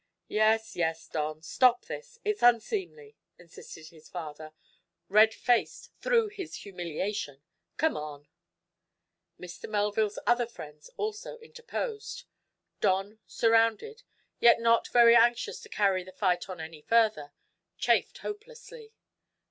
"Yes, yes, Don; stop this. It's unseemly," insisted his father, red faced through his humiliation. "Come on!" Mr. Melville's other friends also interposed. Don, surrounded, yet not very anxious to carry the fight on any further, chafed hopelessly.